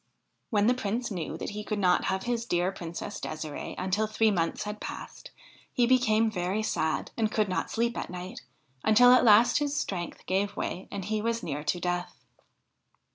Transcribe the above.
When the Prince knew that he could not have his dear Princess De"sire"e until three months had passed, he became very sad, and could not sleep at night, until at last his strength gave way and he was near to death.